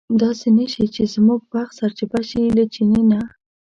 داسې نه شي چې زموږ بخت سرچپه شي له چیني نه.